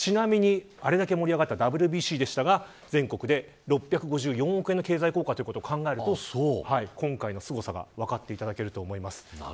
あれだけ盛り上がったＷＢＣでしたが全国で６５４億円ということを考えると今回のすごさが分かると思います。